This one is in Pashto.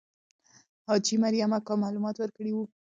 حاجي مریم اکا معلومات ورکړي وو.